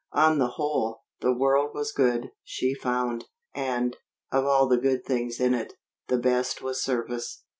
On the whole, the world was good, she found. And, of all the good things in it, the best was service.